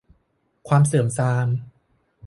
ความเสื่อมทราม